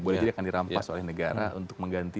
boleh jadi akan dirampas oleh negara untuk mengganti